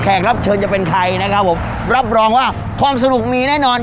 รับเชิญจะเป็นใครนะครับผมรับรองว่าความสนุกมีแน่นอน